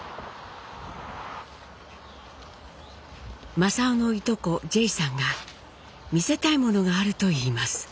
正雄のいとこジェイさんが見せたいものがあるといいます。